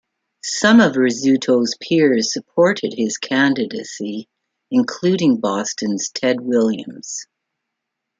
Some of Rizzuto's peers supported his candidacy, including Boston's Ted Williams.